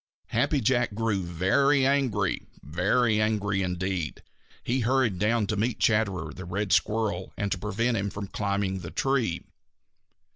Happy Jack grew very angry, very angry indeed. He hurried down to meet Chatterer the Red Squirrel and to prevent him climbing the tree.